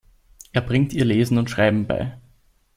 Er bringt ihr Lesen und Schreiben bei.